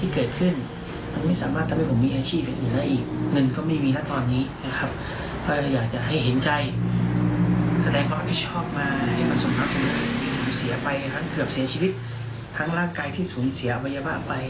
เกือบเสียชีวิตทั้งร่างกายที่สูญเสียวัยวะไป